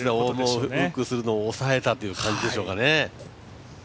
フックするのを抑えたという感じでしょうかね。